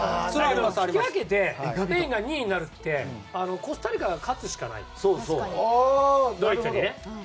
引き分けてスペインが２位になるってコスタリカが勝つしかないドイツにね。